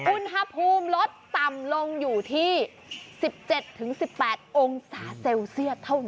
อุณหภูมิลดต่ำลงอยู่ที่๑๗๑๘องศาเซลเซียสเท่านั้น